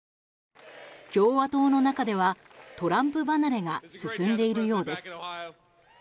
共和党の中では、トランプ離れが進んでいるようです。